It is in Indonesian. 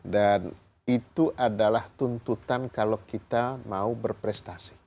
dan itu adalah tuntutan kalau kita mau berprestasi